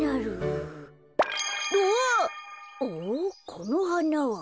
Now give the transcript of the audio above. このはなは。